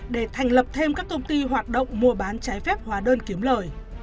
để thành lập thêm các công ty hoạt động mua bán trái phép hóa đơn kiếm lời